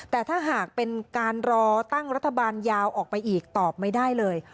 แต่ถ้าหากเป็นการรอตั้งรัฐบาลยาวออกไปอีกตอบไม่ได้เลย